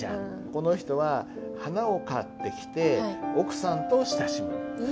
この人は花を買ってきて奥さんと親しむ。